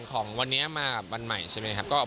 ของวันนี้มาวันใหม่ใช่ไหมครับ